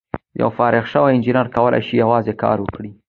یو فارغ شوی انجینر کولای شي یوازې کار وکړي.